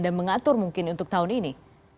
mengatur mungkin untuk tahun ini